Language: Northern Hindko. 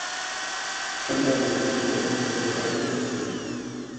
ٹھنڈا بچ اے برف دے برابر ہوسی۔